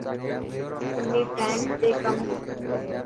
سمير ٽائم تي ڪم ختم ڪريو.